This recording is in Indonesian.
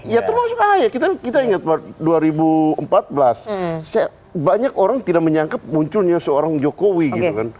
ya termasuk ahy kita ingat dua ribu empat belas banyak orang tidak menyangka munculnya seorang jokowi gitu kan